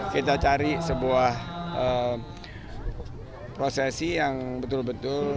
kita cari sebuah prosesi yang betul betul